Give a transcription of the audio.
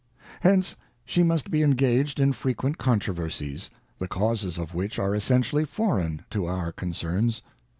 ŌĆö Hence she must be engaged in fre quent controversies, the causes of which are essentially foreign to our concerns.